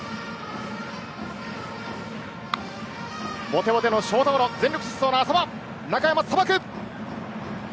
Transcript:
ぼてぼてのショートゴロ、全力疾走の淺間中山がさばく！